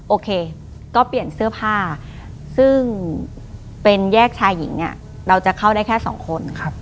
โอเคก็เปลี่ยนเสื้อผ้าซึ่งเป็นแยกชายหญิงเนี่ยเราจะเข้าได้แค่สองคน